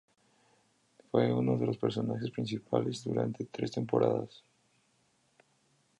Fue uno de los personajes principales durante tres temporadas.